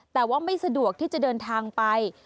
แต่ว่าไม่สะดวกที่จะเดินทางไป